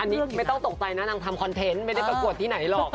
อันนี้ไม่ต้องตกใจนะนางทำคอนเทนต์ไม่ได้ประกวดที่ไหนหรอก